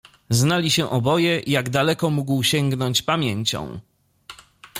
Znali się oboje, jak daleko mógł sięgnąć pamięcią.